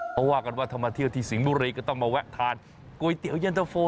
เขาว่ากันว่าถ้ามาเที่ยวที่สิงห์บุรีก็ต้องมาแวะทานก๋วยเตี๋ยวเย็นตะโฟ